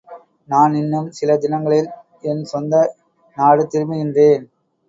நான் இன்னும் சில தினங்களில் என் சொந்த நாடு திரும்புகின்றேன்.